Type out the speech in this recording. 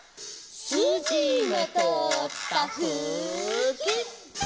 「すじのとおったふき」